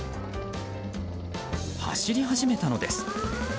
走り始めたのです。